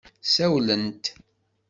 Sawlent.